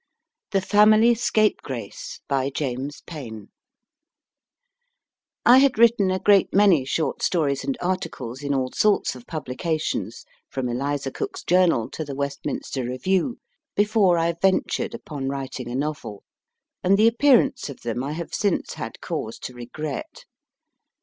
THE FAMILY SCAPEGRACE BY JAMES PAYN HAD written a great many short stories and articles in all sorts of publications, from Eliza Cook s Journal to the Westminster Review, before I ventured upon writing a novel ; and the appear ance of them I have since had cause to regret.